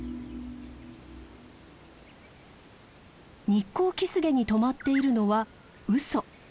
ニッコウキスゲに止まっているのはウソ。